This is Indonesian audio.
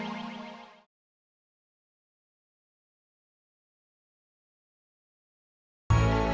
bidiknya sampai mati